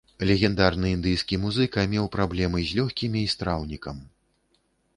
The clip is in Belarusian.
Легендарны індыйскі музыка меў праблемы з лёгкімі і страўнікам.